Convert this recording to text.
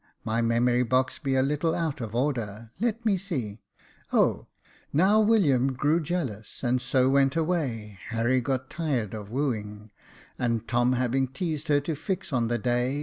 My memory box be a little out of order. Let me see — oh !" Now William grew jealous, and so went away j Harry got tired of wooing; And Tom having teased her to fix on the day.